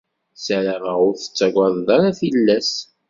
Ssarameɣ ur tettagaded ara tillas.